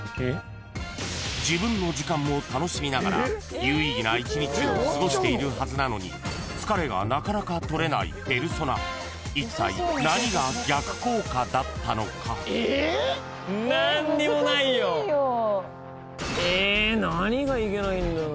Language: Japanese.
［自分の時間も楽しみながら有意義な一日を過ごしているはずなのに疲れがなかなか取れないペルソナ］え何がいけないんだろう？